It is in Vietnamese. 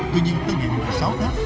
tuy nhiên tới ngày hai mươi sáu tháng